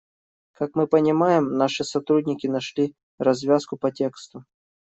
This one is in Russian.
Как мы понимаем, наши сотрудники нашли развязку по тексту.